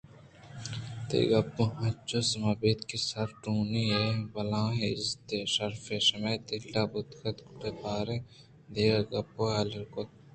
تئی گپاں انچوش سما بیت کہ سارٹونی ءِ بلاہیں عزتےءُشرفے شمئے دل ءَ بوتگ گڑا باریں دگہ گپ ءُحالے کُت